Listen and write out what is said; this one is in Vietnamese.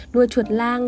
nuôi chuột lang